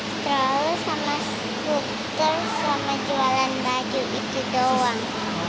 stroller sama skuter sama jualan baju itu doang